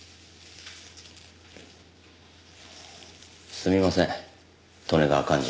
すみません利根川寛二